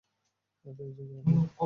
Packaging কেমন হয়?